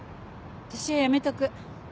私はやめとく。